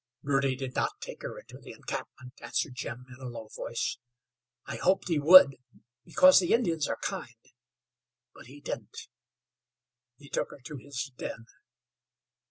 "Girty did not take her into the encampment," answered Jim, in a low voice. "I hoped he would, because the Indians are kind, but he didn't. He took her to his den."